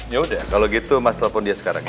ya udah kalau gitu mas telpon dia sekarang ya